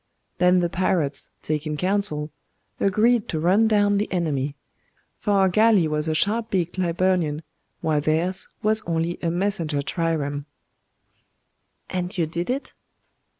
Then the pirates, taking counsel, agreed to run down the enemy; for our galley was a sharp beaked Liburnian, while theirs was only a messenger trireme.' 'And you did it?